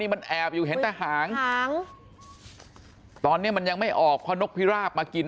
มันแอบอยู่เห็นแต่หางหางตอนนี้มันยังไม่ออกเพราะนกพิราบมากิน